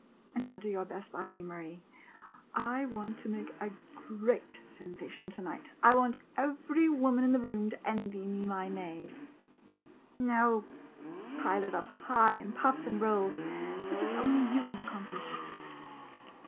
Now do your best by me, Marie. I want to make a great sensation to night. I want every woman in the room to envy me my maid. No — pile it up high in puffs and rolls, such as only you can accomplish.